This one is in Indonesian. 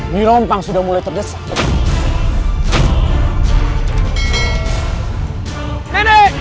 nirompang sudah mulai terdesak